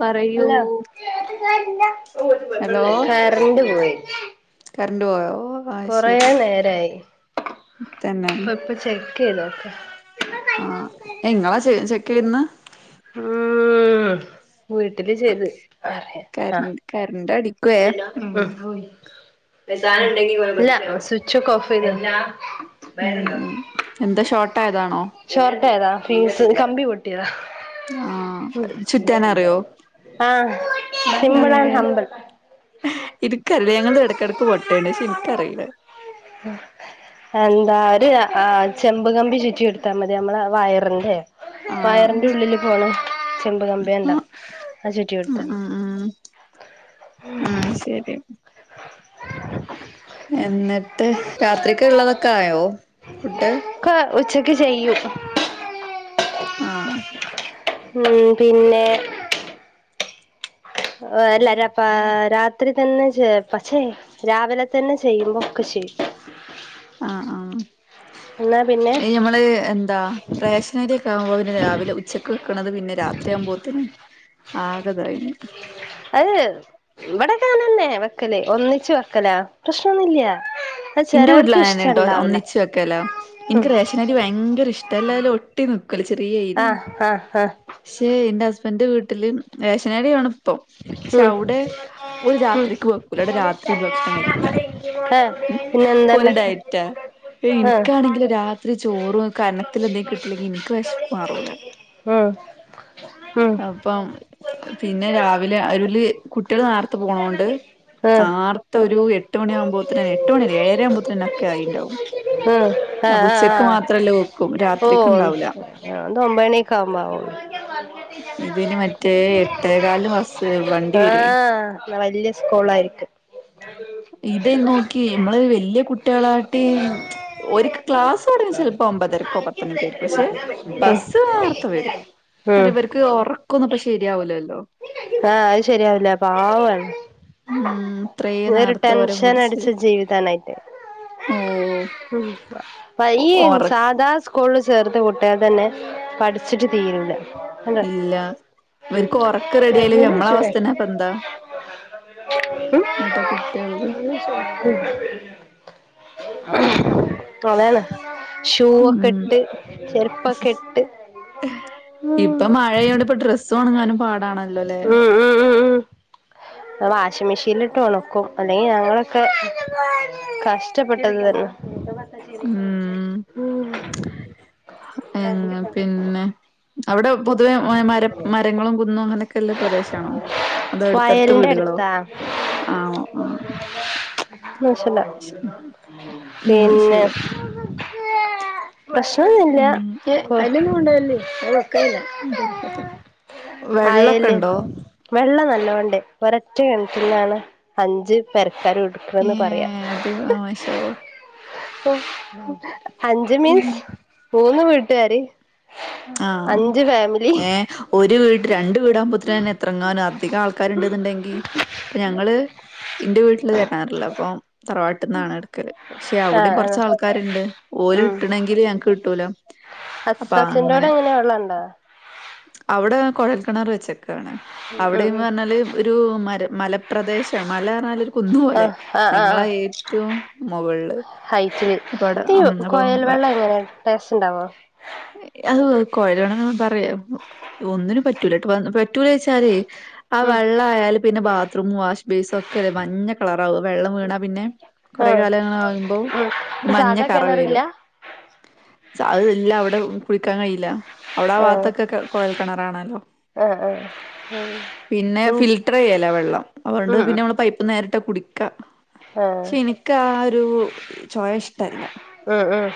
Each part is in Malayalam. പറയൂ ഹലോ ഹലോ കറണ്ട് പോയി കറണ്ട് പോയോ ആഹ് കൊറെ ശരി നേരായി തന്നെ അപ്പൊ ഇപ്പൊ ചെക്ക് ചെയ്തോ ആഹ് എങ്ങളാ ചെ ചെക്കെന്ന് ഉം വീട്ടില് ചെയ്ത് അറിയ കർ ആഹ് കറണ്ട് അടിക്കുവേ ഇല്ല സ്വിച്ച് ഒക്കെ ഓഫ് ചെയ്ത് ഉം എന്താ ഷോർട്ടായതാണോ ഷോട്ടേജാ ഫീസ് കമ്പി പൊട്ടിയതാ ആഹ് ചുറ്റാനറിയോ ആഹ് സിമ്പിൾ ആൻഡ് ഏഹ് ഹമ്പിൾ ഇത്ക്കല്ല ഞങ്ങൾത് ഇടക്കിടയ്ക്ക് പൊട്ടണ്ട് പക്ഷെ എനിക്കറിയില്ല ആഹ് എന്താ ഒരു ആഹ് ചെമ്പുകമ്പി ചുറ്റി എടുത്താൽ മതി നമ്മള വയറിന്റെ ആഹ് വയറി ഉള്ളില് പോണ് ചെമ്പ് കമ്പിയേ ഉണ്ടാ ആഹ് അത് ചുറ്റി ഉം കൊടുത്താ മതി ഉം ഉം ശരിയാ എന്നിട്ട് രാത്രിക്ക് ഉള്ളതൊക്കെ ആയോ ഫുഡ് ക്ക ഉച്ചക്ക് ചെയ്യും ആഹ് ഉം പിന്നെ എല്ലാരപ്പ രാത്രി തന്നെ ചെ പക്ഷെ രാവിലെ തന്നെ ചെയ്യുമ്പോ ഒക്കെ ശെ ആഹ് ആഹ് എന്നാ പിന്നെ ഈ ഞമ്മള് എന്താ റേഷനരിയൊക്കെ ആവുമ്പോൾ പിന്ന രാവിലെ ഉച്ചയ്ക്ക് വെക്കണത് പിന്നെ രാത്രിയാവുമ്പോത്തിന് ആകെ ഇതായിന് അത് ഇവിടകെ അങ്ങനന്നെ വെക്കലാ ഒന്നിച്ചു വെക്കലാ പ്രശ്നൊന്നുല്ല അത് ഇന്റെ ചെലവർക്ക് ഇഷ്ടം വീട്ടിലാനെട്ടോ ഇണ്ടാവില്ല ഒന്നിച്ചു വെക്കല്ലോ ഉം എനിക്ക് റേഷനരി ഭയങ്കര ഇഷ്ടല്ലാലും ഒട്ടി നിക്കല്ല ചെറിയ അരി ആഹ് ആഹ് ആഹ് ക്ഷെ എന്റെ ഹസ്ബന്റെ വീട്ടില് റേഷനരി വേണം പ്പൊ പക്ഷെ ഉം അവിടെ ഒരു ഉം രാത്രിക്ക് വെക്കൂല അവിടെ രാത്രി ഒരു ഭക്ഷണം കഴിക്കൂല ഏഹ് പിന്നെ എന്തൊണ്ട് ഈ എനിക്കാണെങ്കില് രാത്രി ചോറും കനത്തി എന്തെങ്കിലും കിട്ടില്ലെങ്കി എനിക്ക് വിശപ്പ് മാറൂല ഉം ഉം ഇപ്പം പിന്നെ രാവിലെ അരുല് കുട്ടികള് നേർത്തെ പോണ കൊണ്ട് ആഹ് ആർ ത്ത് ഒരു എട്ട് മണി ഉം ആകുമ്പോത്തേന് എട്ട് മണി അല്ല ഏഴര ആകുമ്പോത്തേന് ഒക്കെ ആയിണ്ടാവും അപ്പം ആഹ് ആഹ് ഉച്ചക്ക് ആഹ് മാത്രല്ല വെക്കും ഓ രാത്രിക്ക് ഇണ്ടാവൂല അത് ഒമ്പണിയൊക്കെ ആവുമ്പോ ആവുള്ളൂ ഇതിന് മറ്റേ എട്ടേകാല് ബസ്സ് വണ്ടി വരുവേ ആഹ് വല്യ സ്കൂള് ആയിട്ട് ഇത് നോക്കി നമ്മള് വല്യ കുട്ടികളാ ചെലപ്പോ ഒമ്പതരക്കോ പത്തണിക്കായിരിക്കും പക്ഷെ [inaudible] [inaudible] ഉം ഇക്ക് ഒറക്കൊന്നും ഇപ്പം ശരിയാവുല്ലല്ലോ ആഹ് അത് ശരിയാവില്ല പാവാന്ന് ഉം ഇത്രേ ഇങ്ങനെ ഒരു നേരത്തെ ഓരെ ടെൻഷൻ പിടിച്ച് അടിച്ച ജീവിതാനായിട്ട് ഓ വയ്യേ ഒറ സാദാ സ് സ്കൂളില് ചേർത്ത് കുട്ടികൾ തന്നെ പഠിച്ചിട്ട് തീരുല്ല ഇല്ല ഇവർക്ക് ഒറ ക്ക് റെഡി ആയില്ലെങ്കിൽ ഗവൺമെന്റ് നമ്മളെ പഠിച്ചൂടെ അവസ്ഥ തന്നെ ഇപ്പം എത്നാ ഉം എനിട്ടാ കുട്ടികളത് [inaudible] അതാണ് ഷൂ ഒക്കെ ഉം ഇട്ട് ചെരുപ്പൊക്കെ ഇട്ട് ഉം ഇപ്പം മഴയായോണ്ട് ഇപ്പം ഡ്രസ്സ് ഒണങ്ങാനും പാടാണല്ലോല്ലേ ഉം ഉം ഉം [inaudible] വാഷിംഗ് മെഷീനിലിട്ട് ഒണക്കും അല്ലെങ്കിൽ ഞങ്ങളൊക്കെ കഷ്ടപ്പെട്ടത് തന്നെ ഉം ഉം പിന്നെ അവിടെ പൊതുവെ മര മരങ്ങളും കുന്നും അങ്ങനെ ഒക്കെയില്ലേ പ്രദേശാണോ അതോ അടുത്തടുത്ത് വയലിന്റെ വീടുകളോ ആഹ് ആഹ് മനസില ഉം പിന്നെ ശരി പ്രശ്നൊന്നും ഇല്ല ഉം [unintelligible] വെള്ളൊക്കെ ആയല് ഉണ്ടോ വെള്ളം നല്ലോണ്ട് ഒരൊറ്റ കിണറ്റിന്നാണ് അഞ്ച് പെരക്കാരും ഇ ട് ഏ ക്ക്ണേന്ന് പറയാ അടി മാഷാ അള്ളാ ഉം അഞ്ച് മീൻസ് ഉം മൂന്ന് വീട്ടുകാര് ആ അഞ്ച് ഫാമിലി ഏ ഒരു വീട്ട് രണ്ട് വീട് ആവുമ്പത്തിന് തന്നെ എത്ര അധികം ആൾ ആൾക്കാര് ഉണ്ട്ന്നുണ്ടെങ്കി ഇപ്പൊ ഞങ്ങള് ഇന്റെ വീട്ടില് കെണറില്ല അപ്പൊ തറവാട്ടിൽ ന്നാണ് എടുക്കല് പക്ഷെ അവിടെയും ആഹ് കൊറച്ച് ആഹ് ആൾക്കാരുണ്ട് ഓല് ഇട്ട്ണെങ്കില് ഞങ്ങക്ക് കിട്ടൂല അപ്പൊ അസസിന്റോടെ അങ്ങനെ എങ്ങനെയാ വെള്ളണ്ടോ അവിടെ കൊഴൽക്കിണറ് വെച്ചേക്കാണ് ഉം അവിടെന്ന് ഉം പറഞ്ഞാല് ഒരു മര മലപ്രദേശം മല പറഞ്ഞാല് ഒരു കുന്ന് പോലെ ആഹ് ആഹ് ആഹ് ഞങ്ങള് ആഹ് ഏ റ്റവും മൊകളില് ഹൈറ്റില് ഈ കൊഴൽ വെള്ളം എങ്ങനെയാ ടേസ്റ്റ് ഇണ്ടാവോ അത് കൊഴൽ കെണർ എന്ന് പറയാം ഒന്നിനും പറ്റൂലട്ടാ പറ്റൂല വെച്ചാലേയ് ആ ഉം വെള്ളം ആയാല് പിന്നെ ബാത്റൂം വാഷ് ബേസും ഒക്കെ അല്ലെ മഞ്ഞ കളറാവും വെള്ളം വീണാ പിന്നെ കൊറെ ആഹ് കാലങ്ങള് ആകുമ്പോൾ ഉം ഒരു മഞ്ഞ സാധാ കറ കിണറില്ല വരും അത് ഇല്ല അവിടെ കുഴിക്കാൻ കഴിയില്ല അവിടെ ആ ആഹ് ഭാഗത്തൊക്കെ കുഴൽ കിണറാണല്ലോ ആഹ് ആഹ് ഉം പിന്നെ ഫിൽറ്ററ് ചെയ്യലാ വെള്ളം അതുകൊണ്ട് ഉം പിന്നെ നമ്മള് പൈപ്പ് നേരിട്ട് കുടി ക്ക ആഹ് പക്ഷേ എനിക്ക് ആ ഒരു ചൊയ ഇഷ്ടല്ല ഉം ഉം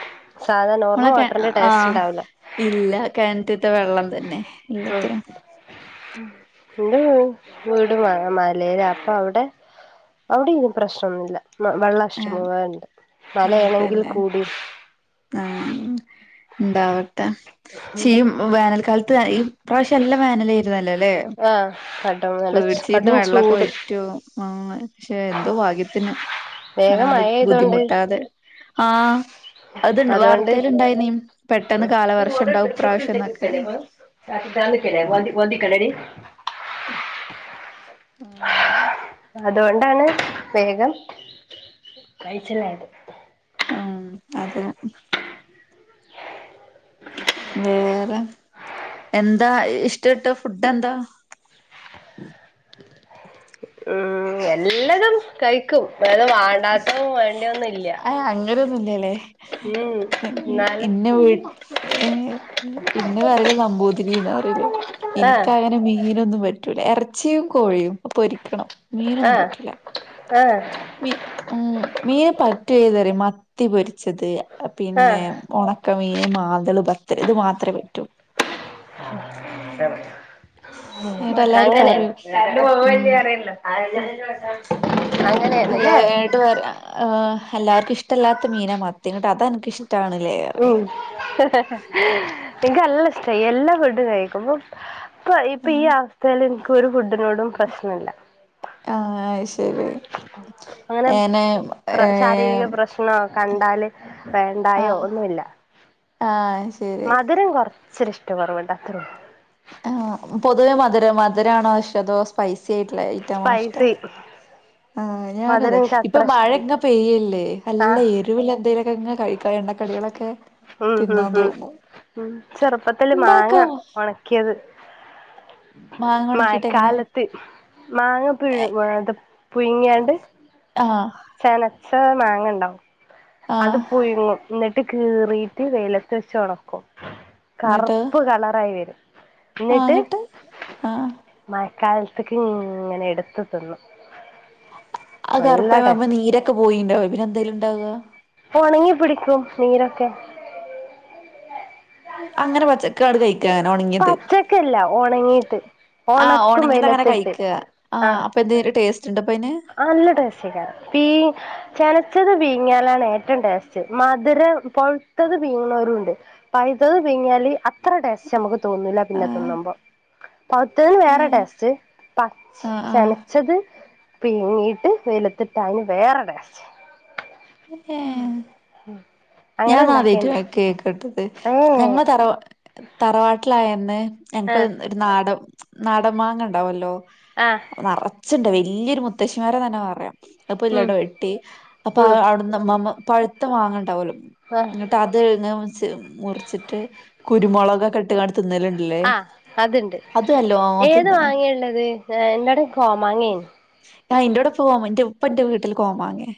സാധാ നോർമൽ നമ്മളെ കെ വാട്ടറിന്റെ ആഹ് ടേസ്റ്റ്ണ്ടാവൂല ഇല്ല, കെൺറ്റ്ത്തെ വെള്ളം തന്നെ ഉം എല്ലാത്തിനും ഇന്റെ വീ വീട് മ മലേലാ അപ്പൊവടെ ഔടിം ഈ പ്രശ്നൊന്നുല്ല മ വെള്ളം ആഹ് ഇഷ്ടംപോലെണ്ട്. മലേണെങ്കിൽ കൂടി ഉം ഇണ്ടാവട്ടെ പക്ഷേ ഈ വേനൽക്കാലത്ത് ഈ പ്രാവശ്യം നല്ല വേനലേരുന്നല്ലൊ ല്ലേ ആഹ് കടം നല്ല ചു കടും ചൂട് വറ്റോ ആഹ് പക്ഷെ എന്തോ ഭാഗ്യത്തിന് വേഗം ഇങ്ങനാണ്ട് മഴ പെയ്തോണ്ട് ബുദ്ധിമുട്ടാതെ ആഹ് അത് അതുകൊണ്ട് വാർത്തേല്ണ്ടായിനിം. പെട്ടന്ന് കാലവർഷണ്ടാവും ഇപ്രാവശ്യന്നൊക്കെ തർക്കിക്കാൻ നിക്കല്ലേ [unintelligible] കളരി ഉം അതോണ്ടാണ് വേഗം കയ്ച്ചിലായത് ഉം അതെ വേറെ എന്താ ഇഷ്ടട്ട ഫുഡ്ഡെന്താ ഉം എല്ലതും കഴിക്കും, ഏതാ വാണ്ടാത്തതും വേണ്ടിയൊന്നുല്ല്യ ആഹ് അങ്ങനൊന്നുല്ലല്ലേ ഇന്നെ വീ ഏഹ് ഇന്നെ പറ്യല് നമ്പൂതിരീന്നാ പറ്യല് ആഹ് ഇനിക്കങ്ങനെ മീനൊന്നും പറ്റൂല. എറച്ചിം കോഴിയും പൊരിക്കണം മീനൊന്നും പറ്റൂല ഏഹ് മീ ഉം മീന് പറ്റു ഏതാറ്യോ മത്തി പൊരിച്ചത് പിന്നെ ആഹ് ഒണ ക്ക മീന് മാന്തള് ബത്തല് ഇത് മാത്രേ പറ്റൊള്ളു എന്നിട്ട് [unintelligible] എല്ലാരും അങ്ങനേ പറയും കറന്റ് പോകുവോ ഉം ഇല്ലയോ അറിയല്ലോ [inaudible] എല്ലാ ഏട്ട് പറി ആഹ്‌ എല്ലാർക്കും ഇഷ്ടല്ലാത്ത മീനാ മത്തി, ങ്ങട്ടതാ അൻ ഉം ഇൻക്കല്ല ഇഷ്ടായി എല്ലാ ഫുഡ്ഡും കഴിക്കുമ്പം ഇപ്പൊ ഇപ്പഈ അവസ്ഥേല് ഇൻക്കൊരു ഫുഡ്ഡിനോടും പ്രശ്നല്ല ആഹ്‌ അഹ് ശരി ഞാന് ഏയാം ങ്ങാ കണ്ടാല് വേണ്ടായോ ആഹ് ഒന്നുല്ല ആഹ് ശരി മധുരം കൊറ ച്ചൊര് ഇഷ്ട്ടക്കൊറവ്ണ്ട് അത്രൊള്ളു ആഹ് പൊതുവേ മധുരം മധുരാണോഷ് അതോ സ് പൈസ്യായിട്ട്ള്ള ഐറ്റാണോ ഇഷ്ടം സ്പൈസി ആഹ് ഞാനു മധുരം അതെ എനിക്ക് ഇപ്പൊ അത്ര ഇഷ്ടല്ല മഴങ്ങ പെയ്യല്ലേ, ആഹ് നല്ല എരിവ്ള്ള എന്തേലൊക്കെങ്ങ കഴിക്കാ എണ്ണക്കടികളൊ ക്കെ ഉം ഹും ഹും ചെറ്പ്പത്തില് മാങ്ങ ഇണ്ടാക്കാം ഒണ ക്ക്യത് മാങ്ങ ഒണക്കിട്ട് എങ്ങനെ മയക്കാലത്ത് മാങ്ങ പിഴ് ഏത്ത പുയ്ങ്യാണ്ട് ആഹ് ചെനച്ച മാങ്ങണ്ടാവും അത് ആഹ് പുയ്ങ്ങും, ന്നട്ട് കീറീട്ട് വെയ്ലത്ത് വെച്ചൊണക്കും ഇങ്ങട്ട് കറ്പ്പ് കളറായി വരും ആഹ് ഇന്നിട്ട് ഇങ്ങട്ട് ആഹ് മയക്കാൽത്ത്ക്ക്ങ്ങനെ എട്ത്ത് തിന്നും അത് നല്ല കർപ്പാവുമ്പോ ടേസ്റ്റ് നീരൊക്കെ പോയിണ്ടാവും പിന്നെന്താ അയ്ല്ണ്ടാവാ ഒണങ്ങിപ്പിടിക്കും നീരൊക്കെ അങ്ങനെ പച്ചക്കാട് കഴിക്കാ ഒണങ്ങിയത് പച്ചക്കല്ല ഒണങ്ങിട്ട് ആഹ് ഒണക്കും ഒണങ്ങിയത് അങ്ങനെ വെയിലത്തിട്ട് കഴിക്കാ ആഹ് അപ്പൊ എന്തേലും ടേസ്റ്റ്ണ്ടപ്പൊ അയിന് നല്ല ടേസ്റ്റെക്കാരം പീ ച്ചെനച്ചത് പീങ്ങിയാലാണ് ഏറ്റവും ടേസ്റ്റ് മധുരം പൊഴുത്തത് പീങ്ങണോരുണ്ട് പഴ്ത്തത് പീങ്യാല് അത്രടെസ്റ്റ്‌നമ്മക്ക് തോന്നൂല പിന്നെ ആഹ് തിന്നുമ്പോ പൗത്തന് വേറെ ഏഹ് ടേസ്റ്റ് പ ആഹ് ആഹ് ചച്ചെനച്ചത് പീങ്ങീട്ട് വൈലത്തിട്ട അയ്ന് വേറെ ടേസ്റ്റ് ഉം ഏഹ് ഉം ഞാൻ ന്നാ ആദ്യയിട്ട് കേക്കട്ടത് ഏ ഞങ്ങൾ തറവ തറവാട്ടിലായന്ന് ഞങ്ങക്ക് ആഹ് ഒര് നാടം നാടൻ മാങ്ങണ്ടാവല്ലോ ആഹ് നറച്ചിണ്ട് വെല്ല്യൊര് മുത്തശ്ശിമാരെന്നെ പറയാം അത്പ്പൊ ഉം ഇല്ലട്ടൊവെട്ടി ഉം അപ്പൊഅവടെ അന്ന്മ്മമ്മ പഴുത്ത മാങ്ങണ്ടാവല്ലൊ ആഹ് ഇങ്ങിട്ട് അത് ങ്ങ മുറിച്ച് മുറിച്ചിട്ട് കുരുമൊളകക്കെ ഇട്ട്ങ്ങാണ്ട് തിന്നല്ണ്ട്ല്ലേ അ അത്ണ്ട് ഏത് തിന്ന്ണ് മാങ്ങേള്ളത് എന്റൊടെ കോമാങ്ങേണ് ആഹ് എന്റൊടെ പോവുമ്പൊ എന്റെ ഉപ്പന്റെ വീട്ടില് കോമാങ്ങെ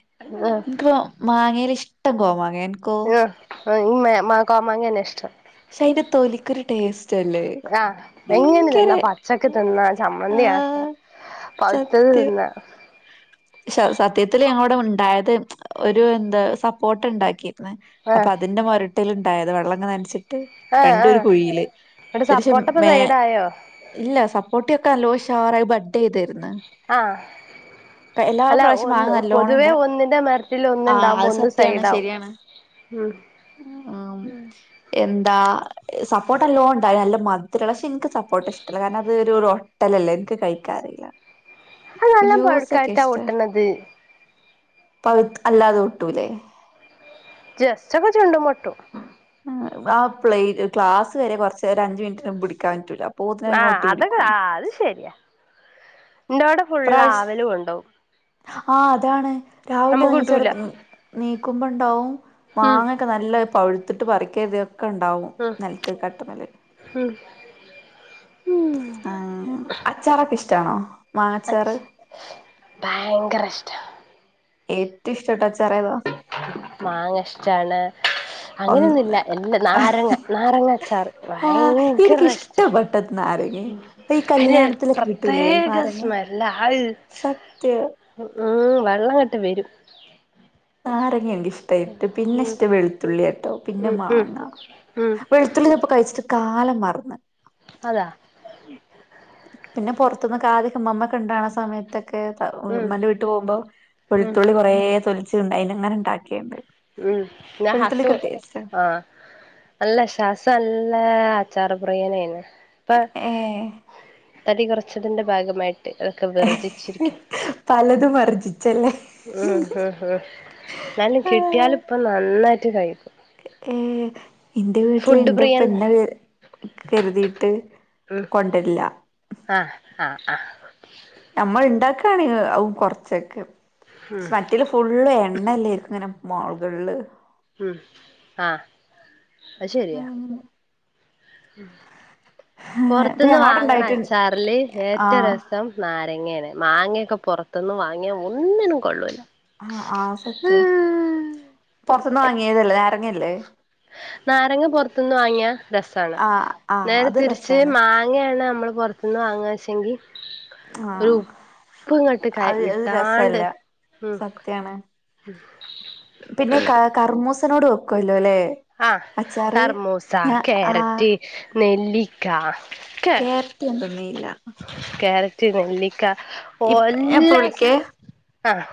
ആഹ് ഇൻക്ക് മാങ്ങേല് ഇഷ്ട്ടം കോമാങ്ങേണ് ആഹ് ആ മ മേ കോമാങ്ങന്നെ ഇഷ്ട്ടം പക്ഷെ അയിന്റെ തൊലിക്കൊരു ടേസ്റ്റല്ലേ ആഹ് എങ്ങനെ ഭയങ്കര തിന്നാ പച്ചക്ക്‌തിന്നാ ആ ച്ചമ്മന്തി ആക്ക പൗത്തത് സത്യം തിന്നാ ശ സത്യത്തില് ഞങ്ങളോടെ ഉണ്ടായത് ഒരു എന്താ സപ്പോട്ടണ്ടാക്കി ആ അപ്പൊ അതിന്റെ മൊരട്ടില്ണ്ടായത് വെള്ളങ്ങനൻച്ചിട്ട് ആ ആ രണ്ടുംഒരു കുഴിയില് ഇവിടെ ഒരിഷം സപ്പോട്ടപ്പ മേ സൈഡായോ ഇല്ല സപ്പോർട്ടി ഒക്കെ നല്ലൊഷാറായി ബഡ്ഡ്യ്തിര്ന്ന് ആഹ് അല്ല പ്രാവശ്യം മാങ്ങ ഒന്ന് നല്ലോണം ഇണ്ട പൊതുവേ ഒന്നിന്റെ മൊര്ത്തിൽ ആഹ് ഒന്ന്ണ്ടാവുമ്പോ അത് ഒന്ന് സത്യാണ് സൈടാവും ശരിയാണ് ഉം ഉം എന്താ സപ്പോട്ട നല്ലോംണ്ടായി നല്ല മദ്രള്ള പക്ഷെ ഇൻക്ക് സപ്പോട്ട ഇഷ്ടല്ല കാരണം അതൊരു ഒ- ട്ടലല്ലെ ഇൻക്ക് കഴിക്കാറില്ല അത് നല്ലം പഴുക്കായ്ട്ടാ ഒട്ടണത് പഴ്ത്ത് അല്ലാതെ ഒട്ടൂല്ലേ ജസ്റ്റോക്കെ ചുണ്ടുമൊട്ടും ആ പ്ലേക്ലാസ്സ് വെരെ കൊർച്ചേരം ഒരഅഞ്ച് മിനിറ്റിന് പുടിക്കൻ പറ്റൂല്ല ആഹ് അതൊക്കെ ആഹ് അത് ശെര്യാ ഇന്റെോടെ ഫുള്ള് ആവല് കൊണ്ടോകും ആഹ് അതാണ് രാവിലെ നമുക്ക് കിട്ടൂല നീച്ചടുക്കും നീക്കുമ്പണ്ടാവും ഉം മാങ്ങ ഒക്കെ നല്ല പഴുത്തിട്ട് പറിക്കതൊക്കെ ണ്ടാവും ഉം നെൽത്ത് കട്ട്മ്മല് ഉം ഉം ആഹ് അച്ചാറൊക്കെ ഇഷ്ട്ടാണോ അച്ച് ഭയങ്കര ഇഷ്ട്ടാ ഏറ്റവും ഇഷ്ട്ടപെട്ട അച്ചാറേതാ മാങ്ങഷ്ടാണ് ഒന്ന് അങ്ങനെനുല്ല എല്ലാ നാരങ്ങ നാരങ്ങ അച്ചാറ് ആ ഭയങ്കര എനിക്ക് ഇഷ് ഇഷ്ടപ്പെട്ടത് നാരങ്ങ ഈ അയ്നൊര് കല്യാണത്തിലൊക്കെ കിട്ടൂലേ പ്രത്യേക നാരങ്ങ സ്മെല്ല ആഹ് സത്യം ഉം ഉം വള്ളങ്ങട്ട് വെരും നാരങ്ങ എനിക്കിഷ് ഇട്ട് പിന്നെ ഉം ഇഷ്ടം വെളുത്തുള്ള്യാട്ടൊ പിന്നെ ഉം ഉം മാങ്ങ ഉം വെളുത്തുള്ളി ഇപ്പൊ കഴിച്ചിട്ട് കാലം മറന്ന് അതാ പിന്നെ പൊറത്തൂന്ന് കാത്യോക്കെ മമ്മക്കെണ്ടാണ സമയത്ത് ക്ക്‌ ത ഉം ഉമ്മാന്റെ വീട്ട് പോവുമ്പം ഉം വെളുത്തുള്ളി കൊറേ തൊലിച്ചുണ്ട് അയിന്ങ്ങനെ ഉണ്ടാക്കിയുണ്ട് ഉം പിന്നെ ഹസു വെളുത്തുള്ളിക്ക് ഒരു ടേസ്റ്റാ ആഹ് അല്ല ശാസ നല്ല അച്ചാറ് പ്രിയനാണ് ഇപ്പൊ ഏ തടി കൊറച്ചതിന്റെ ഭാഗമായിട്ട് അതൊക്കെ വെർജിച്ചിരിക്കും പലതും വർജി ഉം ഉം ഉം എന്നാലും കിട്ടിയാലിപ്പൊ നന്നായിട്ട് കഴിക്കും ഏഹ് എന്റെ വീട്ടില് ഫുഡ് എന്റെ ഉപ്പ പ്രിയൻ എന്റെ കരുതീയിട്ട് ഉം കൊണ്ടില്ല ആഹ് ആഹ് ആഹ് നമ്മൾ ഉണ്ടാക്കാണ് കൊറച്ചൊക്കെ ഉം പക്ഷെ മറ്റേത് ഫുള്ള് എണ്ണല്ലോയിരിക്കും ഇങ്ങനെ മൊകളില് ഉം ആഹ് അത് ശെരിയാ ഇപ്പൊ പൊറത്തന്ന് ഞങ്ങളോടെ വാങ്ങണ ഇണ്ടായിട്ട് അച്ചാറില് ഏറ്റവും ര ആഹ് സം നാരങ്ങേണ് മാങ്ങയൊക്കെ പൊറത്തൊന്നു വാങ്ങിയ ഒന്നിനും കൊള്ളൂല്ല ആഹ് ആഹ് സത്യം പൊറത്തൊന്ന് വാങ്ങിയതല്ലേ നാരങ്ങയല്ലേ നാരങ്ങ പൊറത്തുന്ന് വാങ്ങിയ രസാണ് ആഹ് ആഹ് നേരെ അത് തിരിച്ച് രസാണ് മാ ങ്ങയാണ് നമ്മള് പൊറത്തുനിന്ന് വാങ്ങുവ വെച്ചെങ്കി ആഹ് ഉപ്പ്‌ ഇങ്ങട്ട് അത് അത് ഇട്ടാണ്ട് രസല്ല ഉം സത്യാണ് പിന്നെ ക കർമൂസനോട് വെക്കുവല്ലോ അല്ലേ ആഹ് കർമൂസ ആഹ് ക്യാരറ്റ് നെല്ലി ക്കാ ക്കെ കേരറ്റ് ഞാൻ തിന്നേയില്ല കാരറ്റ് നെല്ലിക്ക ഇപ്പ ഞാൻ ഇപ്പ ഒല്ലാ സാ വിളിക്കേ ആഹ്